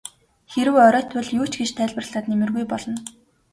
Хэрэв оройтвол юу ч гэж тайлбарлаад нэмэргүй болно.